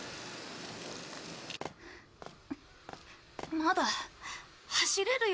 まだ走れるよ。